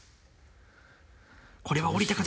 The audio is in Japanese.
これは降りた形。